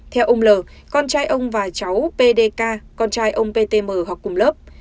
theo ông l con trai ông và cháu pdk con trai ông ptm hoặc cùng lớp